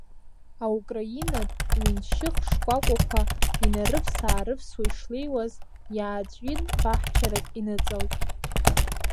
Аукраинатә ҩыншьых шкәакәақәа инарывс-аарывсуа ишлеиуаз, иааҵәин баҳчарак иныҵалт.